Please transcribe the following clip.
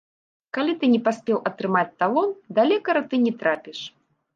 Калі ты не паспеў атрымаць талон, да лекара ты не трапіш.